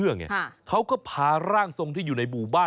เออบางคนก็บอกว่า๙๐